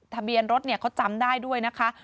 ทะเบียนรถเขาจำได้ด้วยนะคะ